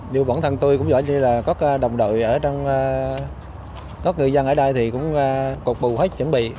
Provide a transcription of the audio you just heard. như bản thân tôi cũng giỏi như là các đồng đội ở trong các người dân ở đây thì cũng cục bù hết chuẩn bị